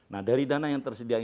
nah dari dana yang tersedia